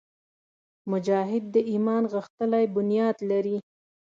مجاهد د ایمان غښتلی بنیاد لري.